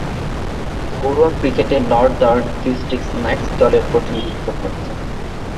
ঘরোয়া ক্রিকেটে Northern Districts Knights দলের প্রতিনিধিত্ব করছেন।